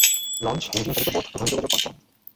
Launch, engine চালিত boat প্রধান যোগাযোগ মাধ্যম।